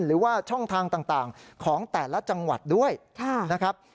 หรือว่าช่องทางต่างของแต่ละจังหวัดด้วยนะครับ